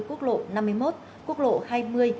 quốc lộ năm mươi một quốc lộ hai mươi